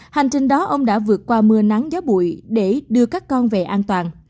hành trình đó ông đã vượt qua mưa nắng gió bụi để đưa các con về an toàn